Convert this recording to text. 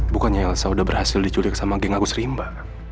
bukannya elsa udah berhasil diculik sama geng agus rimba